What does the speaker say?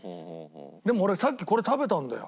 でも俺さっきこれ食べたんだよ。